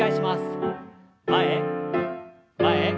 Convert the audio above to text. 前前。